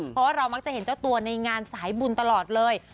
เพราะว่าเรามักจะเห็นเจ้าตัวในงานสายบุญตลอดเลย